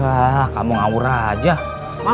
ah kamu ngamur aja